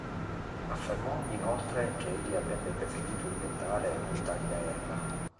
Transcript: Affermò inoltre che egli avrebbe preferito inventare un taglia-erba.